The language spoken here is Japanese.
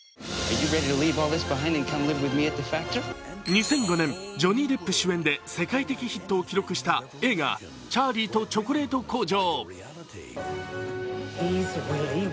２００５年、ジョニー・デップ主演で世界的ヒットを記録した映画「チャーリーとチョコレート工場」。